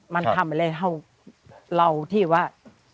มันทำอะไรเท่าเราที่ว่า